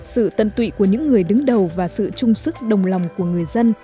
sự tận tụy của những người đứng đầu và sự trung sức đồng lòng của người dân